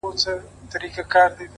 • پښتو متلونه ,